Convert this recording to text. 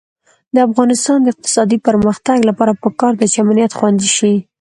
د افغانستان د اقتصادي پرمختګ لپاره پکار ده چې امنیت خوندي شي.